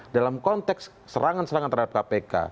dalam konteks serangan serangan terhadap kpk